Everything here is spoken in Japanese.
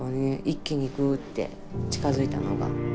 一気にぐって近づいたのが。